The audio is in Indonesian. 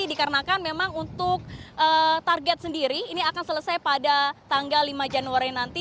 dikarenakan memang untuk target sendiri ini akan selesai pada tanggal lima januari nanti